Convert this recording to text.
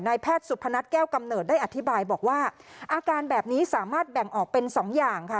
แพทย์สุพนัทแก้วกำเนิดได้อธิบายบอกว่าอาการแบบนี้สามารถแบ่งออกเป็นสองอย่างค่ะ